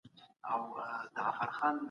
د نفس په لار نه تلل کېږي.